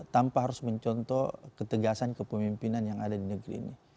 tanpa harus mencontoh ketegasan kepemimpinan yang ada di negeri ini